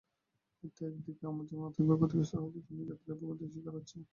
এতে একদিকে আমরা যেমন আর্থিকভাবে ক্ষতিগ্রস্ত হচ্ছি, তেমনি যাত্রীরাও ভোগান্তির শিকার হচ্ছে।